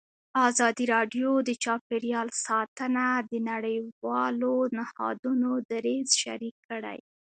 ازادي راډیو د چاپیریال ساتنه د نړیوالو نهادونو دریځ شریک کړی.